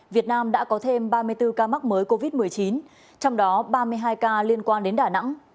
việt nam đã có thêm ba mươi bốn ca mắc mới covid một mươi chín trong đó ba mươi hai ca liên quan đến đà nẵng